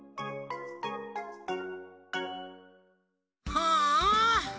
はあ。